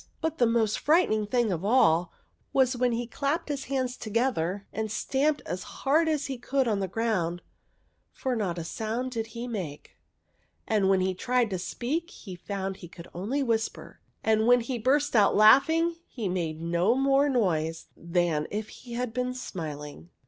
But the most frightening thing of all was when he clapped his hands together and stamped as hard as he could on the ground, for not a sound did he make ; and when he tried to speak, he found he could only whisper ; and when he burst out laughing, he made no more noise than if he had been smiling.